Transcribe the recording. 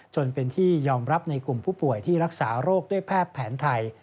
จนเป็นที่ยอมรับในกลุ่มผู้ป่วยที่รักษาโรคด้วยแพทย์แผนไทย